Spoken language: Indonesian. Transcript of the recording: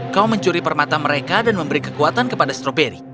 kau mencuri permata mereka dan memberi kekuatan kepada stroberi